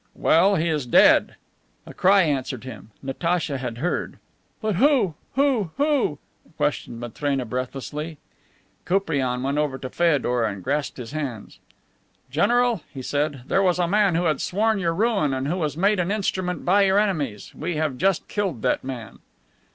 "Well, he is dead." A cry answered him. Natacha had heard. "But who who who?" questioned Matrena breathlessly. Koupriane went over to Feodor and grasped his hands. "General," he said, "there was a man who had sworn your ruin and who was made an instrument by your enemies. We have just killed that man."